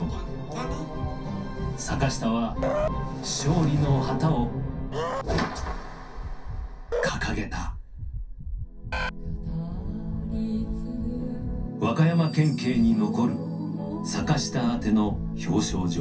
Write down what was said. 坂下は勝利の旗を掲げた和歌山県警に残る坂下宛ての表彰状。